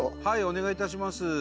はいお願いいたします。